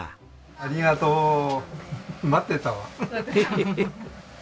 ありがとう待ってたわ。